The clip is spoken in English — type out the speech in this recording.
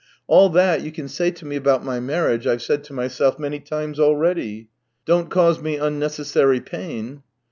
" All that you can say to me about my marriage I've said to myself many times already. ... Don't cause me unnecessary pain."